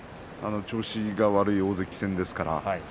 調子が悪い大関戦ですから。